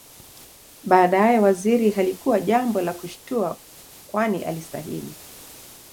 Baadae Waziri halikuwa jambo la kushtua kwani alistahili